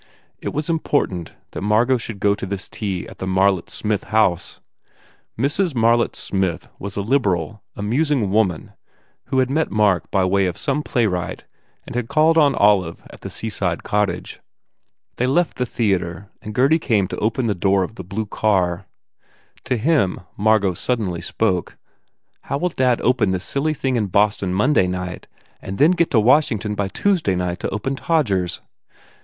It was important that Margot should go to this tea at the Marlett Smith house. Mrs. Marlett Smith was a liberal, amusing woman who had met Mark by way of some playwright and had called on Olive at the seaside cottage. They left the theatre and Gurdy came to open the door of the blue car. To him Margot suddenly spoke, "How will dad open this silly thing in Boston, Monday night and get to Washington by Tuesday night to open Todgers